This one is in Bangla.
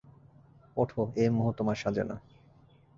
ওঠ, এই মোহ তোমার সাজে না।